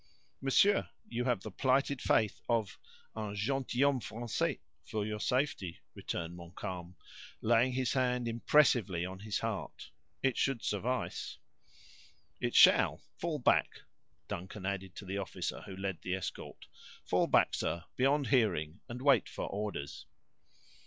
"Monsieur, you have the plighted faith of 'un gentilhomme Français', for your safety," returned Montcalm, laying his hand impressively on his heart; "it should suffice." "It shall. Fall back," Duncan added to the officer who led the escort; "fall back, sir, beyond hearing, and wait for orders."